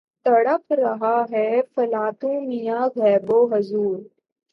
تڑپ رہا ہے فلاطوں میان غیب و حضور